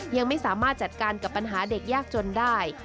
ยังไม่สามารถจัดการกับปัญหาเด็กยากจนได้